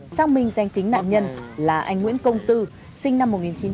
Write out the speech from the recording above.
xác minh danh tính nạn nhân là anh nguyễn công tư sinh năm một nghìn chín trăm tám mươi